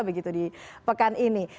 begitu di pekan ini